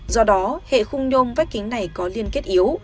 do đó hệ khung nhôm vách kính này có liên kết yếu